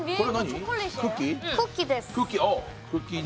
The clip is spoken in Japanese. クッキー？